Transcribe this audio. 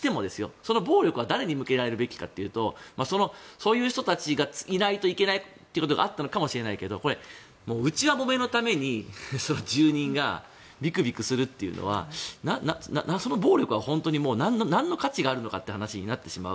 その暴力は誰に向けられるべきかというとそういう人たちがいないといけないということがあったのかもしれないけれど内輪もめのために住人がびくびくするというのはその暴力は何の価値があるのかという話になってしまう。